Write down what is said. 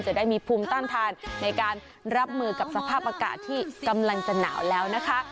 จะได้มีภูมิต้านทานในการรับมือกับสภาพอากาศที่กำลังจะหนาวแล้วนะคะ